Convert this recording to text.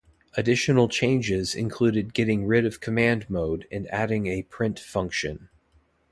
Additional changes included getting rid of command mode and adding a print function.